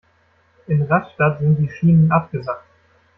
In Rastatt sind die Schienen abgesackt.